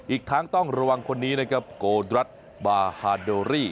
อีกทั้งต้องระวังคนนี้นะครับโกดรัสบาฮาโดรี่